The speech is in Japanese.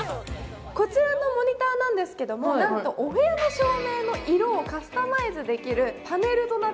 こちらのモニターなんですけれどもなんとお部屋の照明の色をカスタマイズできます。